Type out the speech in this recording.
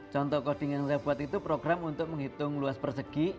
contoh coding yang saya buat itu program untuk menghitung luas persegi